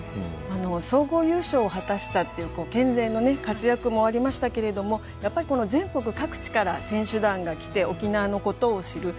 総合優勝を果たしたっていう県勢の活躍もありましたけれどもやっぱり全国各地から選手団が来て沖縄のことを知る。